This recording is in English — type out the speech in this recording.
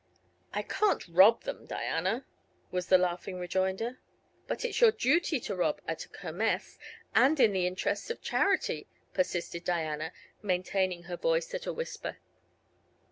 "I can't rob them, Diana," was the laughing rejoinder. "But it is your duty to rob, at a Kermess, and in the interests of charity," persisted Diana, maintaining her voice at a whisper.